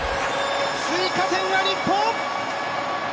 追加点は日本！